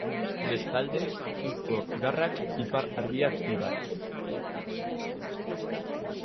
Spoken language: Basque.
Bestalde, suzko garrak ipar argiak dira.